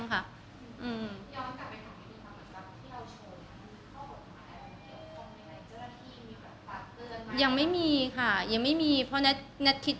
ย้อนกลับไปทำเงินคื่นที่เราโชว์แล้วครับ